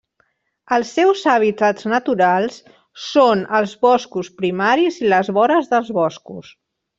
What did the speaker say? Els seus hàbitats naturals són els boscos primaris i les vores dels boscos.